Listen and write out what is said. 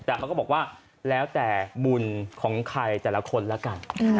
แต่เขาก็บอกว่าแล้วแต่บุญของใครแต่ละคนแล้วกัน